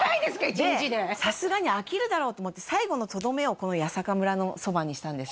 １日ででさすがに飽きるだろうと思って最後のとどめをこの八坂村の蕎麦したんです